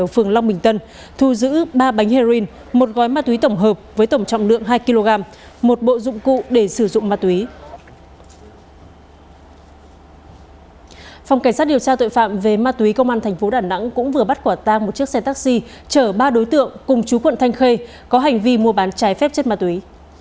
phòng cảnh sát điều tra tội phạm về ma túy công an thành phố đà nẵng cũng vừa bắt quả tang một chiếc xe taxi chở ba đối tượng cùng chú quận thanh khê có hành vi mua bán trái phép chất ma túy